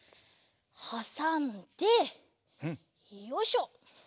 はさんでよいしょ。